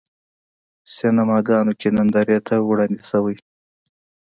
سینماګانو کې نندارې ته وړاندې شوی.